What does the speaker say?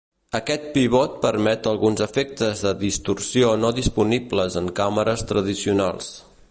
Aquest pivot permet alguns efectes de distorsió no disponibles en càmeres tradicionals.